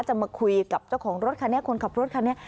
มาคุยกับเจ้าของรถคันนี้คนขับรถคันนี้